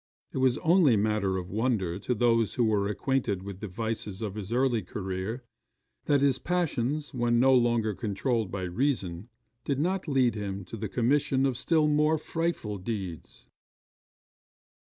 It is only matter of wonder to those who were acquainted with the vices of his early career, that his passions, when no longer controlled by reason, did not lead him to the commission of still more frightful deeds.